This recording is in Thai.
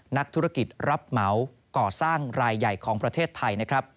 นักธุรกิจรับเหมาก่อสร้างรายใหญ่ของประเทศไทยนะครับ